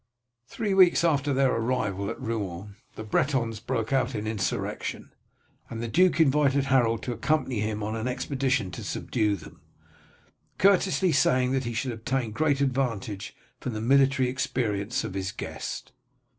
Three weeks after their arrival at Rouen the Bretons broke out in insurrection, and the duke invited Harold to accompany him on an expedition to subdue them, courteously saying that he should obtain great advantage from the military experience of his guest.